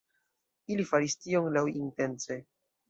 Ili faris tion laŭintence.